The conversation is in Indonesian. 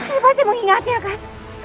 ayah pasti mengingatnya kan